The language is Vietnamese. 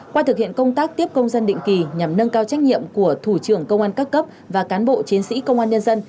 qua thực hiện công tác tiếp công dân định kỳ nhằm nâng cao trách nhiệm của thủ trưởng công an các cấp và cán bộ chiến sĩ công an nhân dân